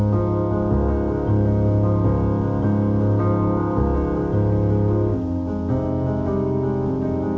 alhamdulillah terima kasih pak